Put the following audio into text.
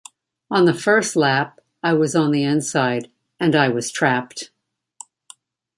On the first lap, I was on the inside, and I was trapped.